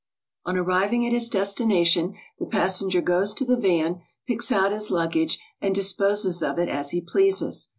On arriving at his destination, the passenger goes to the van, picks out his luggage and dis poses of it as he pleases.